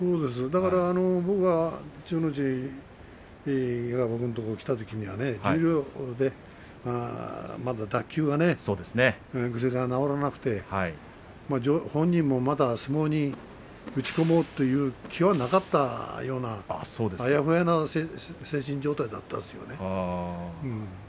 だから僕のところに千代の富士が来たときは十両でまだ脱臼癖が治らなくて本人もまだ相撲に打ち込もうという気はなかったようなあやふやな精神状態だったんですよね。